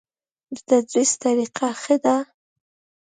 د تدریس طریقه ښه ده؟